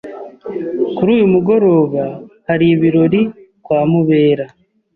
Kuri uyu mugoroba hari ibirori kwa Mubera.